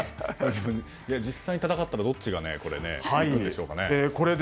実際戦ったらどっちが勝つんでしょうかね。